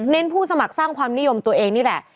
ผู้สมัครสร้างความนิยมตัวเองนี่แหละ